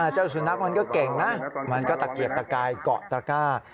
เจ้าสุนัขมันก็เก่งนะมันก็ตะเกียกตะกายเกาะตระก้า